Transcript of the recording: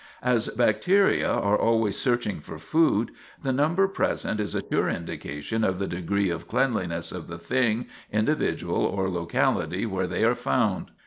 As bacteria are always searching for food, the number present is a sure indication of the degree of cleanliness of the thing, individual, or locality where they are found.